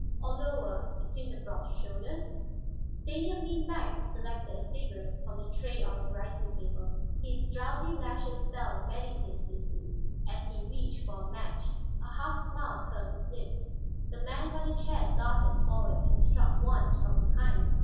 Or lower, between the broad shoulders Stanief leaned back and selected a cigarette from the tray on the writing table. His drowsy lashes fell meditatively as he reached for a match, a half smile curved his lips. The man by the chair darted forward and struck once, from behind.